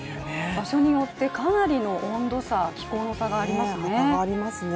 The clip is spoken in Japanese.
場所によってかなりの温度差、気候の差がありますね。